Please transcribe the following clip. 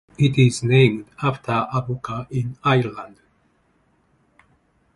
It is named after Avoca in Ireland.